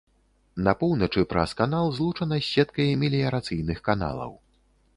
На поўначы праз канал злучана з сеткай меліярацыйных каналаў.